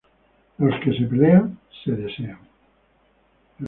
Los que se pelean, se desean